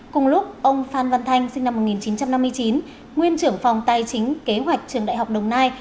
cùng lúc ông phan văn thanh sinh năm một nghìn chín trăm năm mươi chín nguyên trưởng phòng tài chính kế hoạch trường đại học đồng nai